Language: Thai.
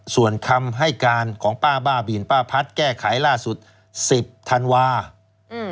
ส่วนคำให้การของป้าบ้าบินป้าพัดแก้ไขล่าสุดสิบธันวาอืม